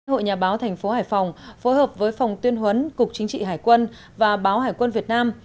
hội nhà báo thành phố hải phòng phối hợp với phòng tuyên huấn cục chính trị hải quân và báo hải quân việt nam